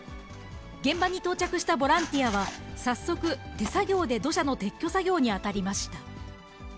現場に到着したボランティアは、早速、手作業で土砂の撤去作業に当たりました。